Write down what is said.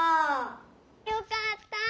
よかった！